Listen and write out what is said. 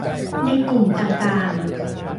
ในกลุ่มต่างต่าง